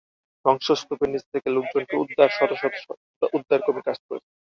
ধ্বংসস্তুপের নিচ থেকে লোকজনকে উদ্ধারে শতশত উদ্ধারকর্মী কাজ করছে।